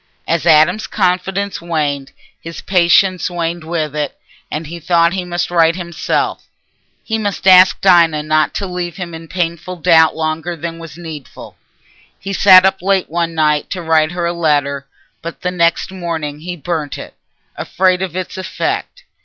As Adam's confidence waned, his patience waned with it, and he thought he must write himself. He must ask Dinah not to leave him in painful doubt longer than was needful. He sat up late one night to write her a letter, but the next morning he burnt it, afraid of its effect.